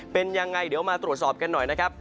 เป็นยังไงเดี๋ยวมาตรวจสอบกันหน่อยนะครับ